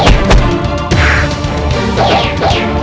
jurus membelah raga